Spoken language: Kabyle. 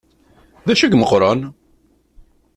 D acu i imeqqren?